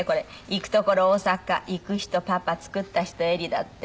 「行く所大阪行く人パパ作った人エリ」だって。